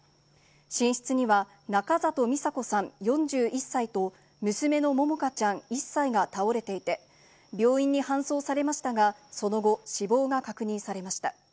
寝室には中里操子さん４１歳と、娘の百花ちゃん１歳が倒れていて、病院に搬送されましたが、その後、死亡が確認されました。